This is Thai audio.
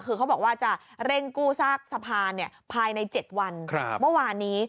คือเขาบอกว่าจะเร่งกู้ซากสะพานภายใน๗วันเมื่อวานนี้